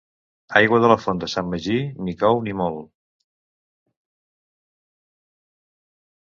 Aigua de la font de sant Magí, ni cou ni mol.